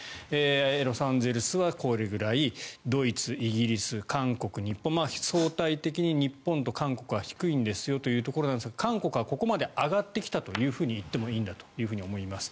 ロサンゼルスはこれぐらいドイツ、イギリス、韓国、日本相対的に日本と韓国は低いんですよというところですが韓国はここまで上がってきたと言ってもいいんだと思います。